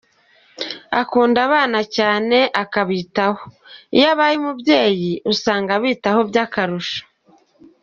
Akunda abana cyane, akabitaho, iyo abaye umubyeyi usanga abitaho by’akarusho.